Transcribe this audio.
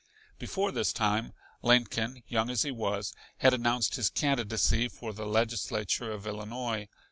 Before this time Lincoln, young as he was, had announced his candidacy for the Legislature of Illinois.